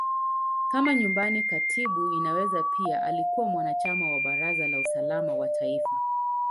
Kama Nyumbani Katibu, Inaweza pia alikuwa mwanachama wa Baraza la Usalama wa Taifa.